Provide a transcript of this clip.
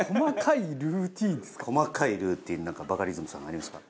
細かいルーティンなんかバカリズムさんありますか？